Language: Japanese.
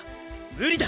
無理だ！！